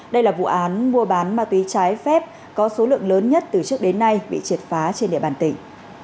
đây là vụ án mua bán ma túy trái phép có số lượng lớn nhất từ trước đến nay bị triệt phá trên địa bàn tỉnh